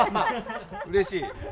うれしい。